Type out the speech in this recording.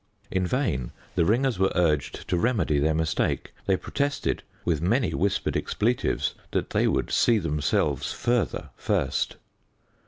In vain the ringers were urged to remedy their mistake: they protested with many whispered expletives that they would see themselves further first.